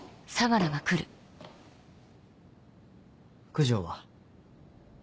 九条は？